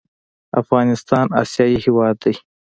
افغانستان اسیایي هېواد دی.